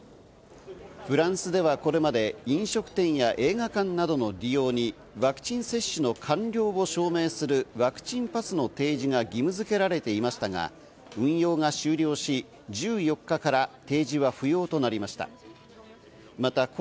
フランスではこれまで飲食店や映画館などの利用にワクチン接種の完了を証明するワクチンパスの提示が義務付けられていましたが、運用が終了し、１４日から提示は不要となりました。